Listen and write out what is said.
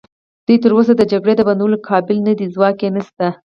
دوی تراوسه د جګړې د بندولو قابل نه دي، ځواک یې نشته.